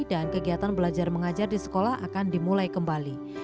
dan kegiatan belajar mengajar di sekolah akan dimulai kembali